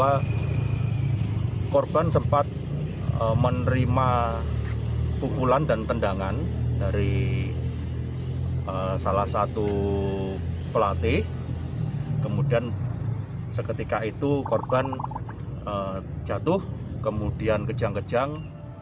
bahwa korban sempat menerima pukulan dan tendangan dari salah satu pelatih kemudian seketika itu korban jatuh kemudian kejang kejang